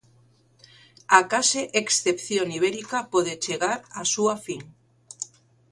A case excepción ibérica pode chegar á súa fin.